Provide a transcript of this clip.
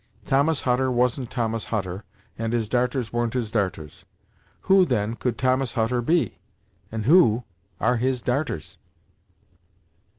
Thomas Hutter wasn't Thomas Hutter, and his darters weren't his darters! Who, then, could Thomas Hutter be, and who are his darters?"